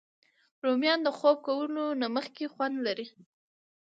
رومیان د خوب کولو نه مخکې خوند لري